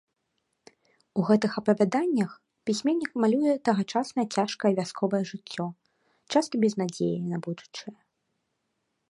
У гэтых апавяданнях пісьменнік малюе тагачаснае цяжкае вясковае жыццё, часта без надзеі на будучае.